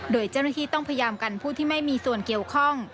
โดยเจ้าหน้าที่ต้องพยายามกันผู้ที่ไม่มีส่วนเกี่ยวข้อง